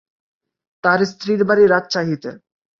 তার স্ত্রীর বাড়ি রাজশাহীতে।